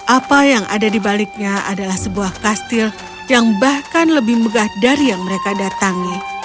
apa yang ada di baliknya adalah sebuah kastil yang bahkan lebih megah dari yang mereka datangi